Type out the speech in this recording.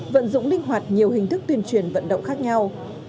vận dụng linh hoạt nhiều hình thức tuyên truyền vận động khác nhau